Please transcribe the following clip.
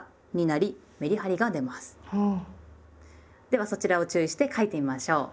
ではそちらを注意して書いてみましょう。